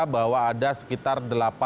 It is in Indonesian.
bahwa ada sekitar